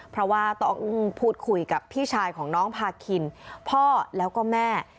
เพราะว่าต้องพูดคุยกับพี่ชายของน้องพาคินพ่อแล้วก็แม่